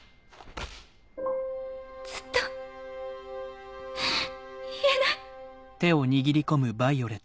ずっと言えない。